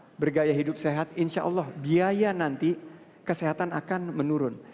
untuk bergaya hidup sehat insya allah biaya nanti kesehatan akan menurun